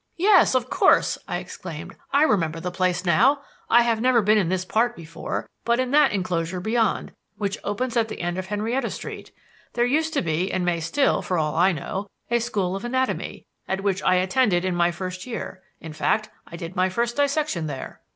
"Yes, of course!" I exclaimed. "I remember the place now. I have never been in this part before, but in that enclosure beyond, which opens at the end of Henrietta Street, there used to be and may be still, for all I know, a school of anatomy, at which I attended in my first year; in fact, I did my first dissection there."